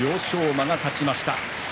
馬が勝ちました。